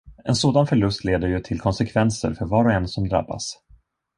En sådan förlust leder ju till konsekvenser för var och en som drabbas.